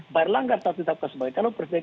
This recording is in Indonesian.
pak erlangga artarto sebagai calon presiden